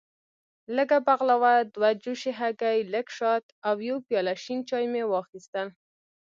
لږه بغلاوه، دوه جوشې هګۍ، لږ شات او یو پیاله شین چای مې واخیستل.